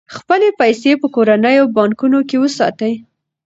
خپلې پيسې په کورنیو بانکونو کې وساتئ.